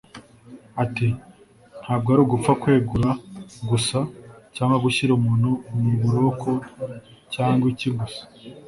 Ati “Ntabwo ari ugupfa kwegura gusa cyangwa gushyira umuntu mu buroko cyangwa iki gusa